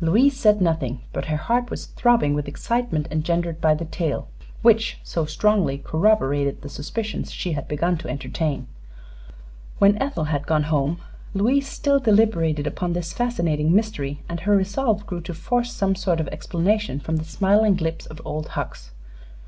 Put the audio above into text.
Louise said nothing, but her heart was throbbing with excitement engendered by the tale, which so strongly corroborated the suspicions she had begun to entertain. When Ethel had gone home Louise still deliberated upon this fascinating mystery, and her resolve grew to force some sort of an explanation from the smiling lips of Old Hucks.